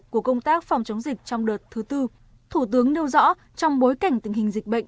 của công tác phòng chống dịch trong đợt thứ tư thủ tướng nêu rõ trong bối cảnh tình hình dịch bệnh